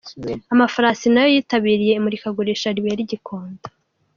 Amafarasi nayo yitabiriye imurikagurisha ribera i Gikondo